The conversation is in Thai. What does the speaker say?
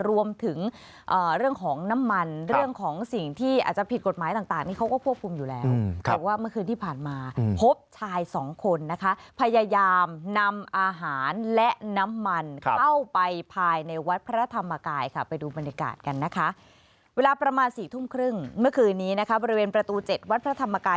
เวลาประมาณ๔ทุ่มครึ่งเมื่อคืนนี้บริเวณประตู๗วัดพระธรรมกาย